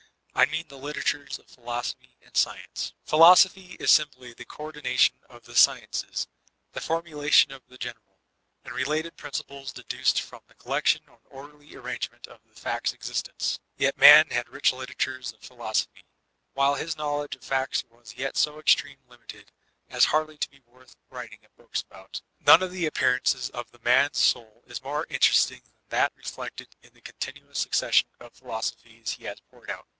I mean the literatures of philosophy and Philosophy is simply the coordination of the sciences ; the formulation of the general, and related principles de duced from the collection and orderly arrangement of the facts of existence. Yet Man had rich literatures of phil osophy, while his knowledge of facts was yet so extreme If limited as hardly to be worth while writing books about None of the appearances of Man's Soul is more interesting than that reflected in the continuous succes sion of philosophies he has poured out.